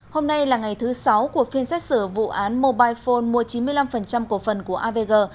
hôm nay là ngày thứ sáu của phiên xét xử vụ án mobile phone mua chín mươi năm cổ phần của avg